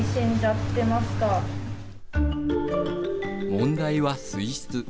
問題は水質。